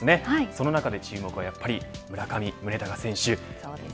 その中で注目はやはり村上宗隆選手。